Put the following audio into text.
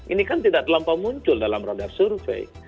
ini kan tidak terlampau muncul dalam roda survei